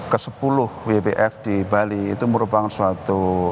ke sepuluh wbf di bali itu merupakan suatu